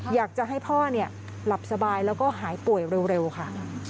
อยากจะให้พ่อหลับสบายแล้วก็หายป่วยเร็วค่ะ